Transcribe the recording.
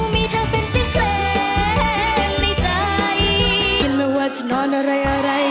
มีเธอเป็นเสียงใจ